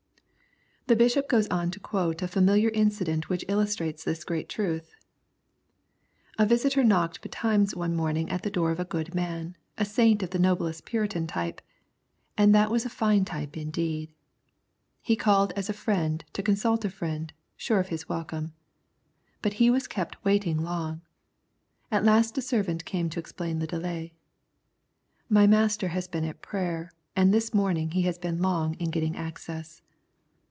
The Bi hop goes on to quote a familiar incident which illustrates this great truth :" A visitor knocked betimes one morning at the door of a good man, a saint of the noblest Puritan type — and that was a fine type indeed. He called as a friend to consult a friend, sure of his welcome. But he was kept waiting long. At last a servant came to explain the delay :' My master has been at prayer, and this morning he has been long in getting access.'